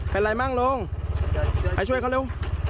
เป็นไรมั่งลุงให้ช่วยเขาเร็ว